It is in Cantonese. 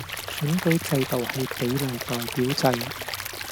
選舉制度係比例代表制